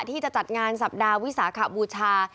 ที่จะจัดงานสัปดาห์วิสาขบูชา